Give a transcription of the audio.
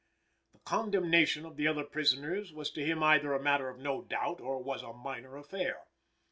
The condemnation of the other prisoners was to him either a matter of no doubt or was a minor affair.